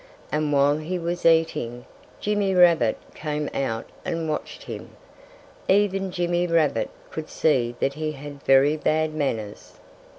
And while he was eating, Jimmy Rabbit came out and watched him. Even Jimmy Rabbit could see that he had very bad manners.